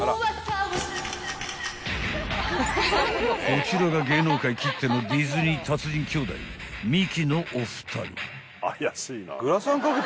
［こちらが芸能界きってのディズニー達人兄弟ミキのお二人］